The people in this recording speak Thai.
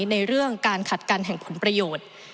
ในเรื่องการขัดกันแห่งผลประโยชน์